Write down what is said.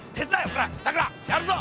ほらさくらやるぞ！